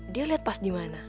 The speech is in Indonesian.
dia lihat pas di mana